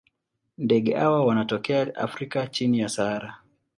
Ndege hawa wanatokea Afrika chini ya Sahara.